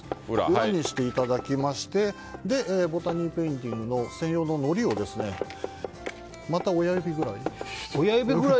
裏にしていただきましてボタニーペインティングの専用ののりを、また親指くらい。